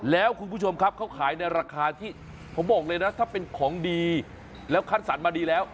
แล้วคุณผู้ชมครับเขาขายในราคาที่ผมบอกเลยนะถ้าเป็นของดีแล้วคัดสรรมาดีแล้ว